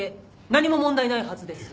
何も問題ないはずです。